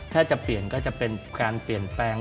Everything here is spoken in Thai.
ถ้าจะเปลี่ยนก็จะเป็นการเปลี่ยนแปลง